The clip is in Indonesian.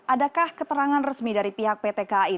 adakah keterangan resmi dari pihak pt kai